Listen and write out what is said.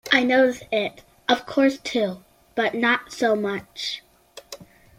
I notice it of course too, but not so much.